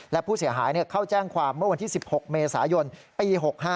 และผู้เสียหายเข้าแจ้งความเมื่อวันที่๑๖เมษายนปี๖๕